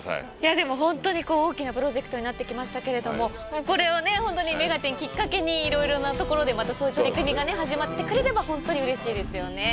でもホントに大きなプロジェクトになってきましたけれどもこれを『目がテン！』きっかけにいろいろなところでまたそういう取り組みが始まってくれればホントにうれしいですよね。